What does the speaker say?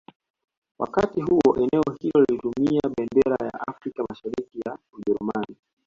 Wakati huo eneo hilo lilitumia bendera ya Afrika Mashariki ya Ujerumani